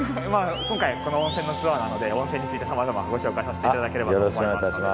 今回この温泉のツアーなので温泉についてさまざまご紹介させていただければと思いますので。